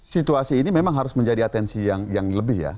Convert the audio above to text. situasi ini memang harus menjadi atensi yang lebih ya